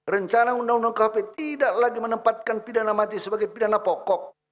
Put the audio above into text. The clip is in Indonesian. rencana undang undang kp tidak lagi menempatkan pidana mati sebagai pidana pokok